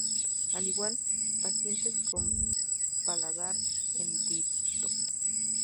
Al igual pacientes con paladar hendido.